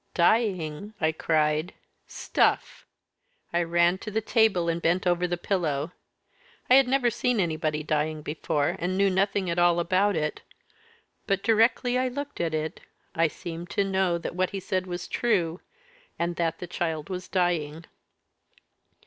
'Dying,' I cried, 'stuff!' I ran to the table and bent over the pillow. I had never seen anybody dying before, and knew nothing at all about it, but directly I looked at it, I seemed to know that what he said was true, and that the child was dying.